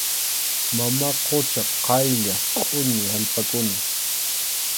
Mama qucha qaylla qʼuñi allpakuna.